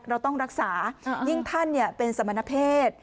เราต้องรักษายิ่งท่านเป็นสมณเพศ